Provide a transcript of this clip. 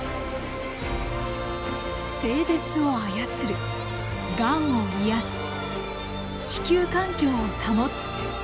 性別を操るがんを癒やす地球環境を保つ。